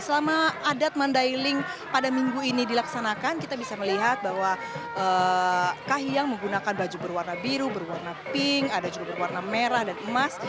selama adat mandailing pada minggu ini dilaksanakan kita bisa melihat bahwa kahiyang menggunakan baju berwarna biru berwarna pink ada juga berwarna merah dan emas